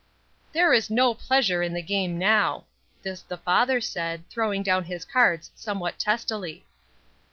"There is no pleasure in the game now!" This the father said, throwing down his cards somewhat testily.